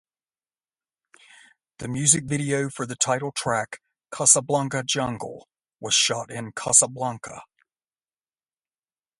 The music video for the title track "Casablanca Jungle" was shot in Casablanca.